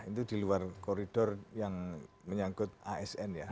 itu diluar koridor yang menyangkut asn ya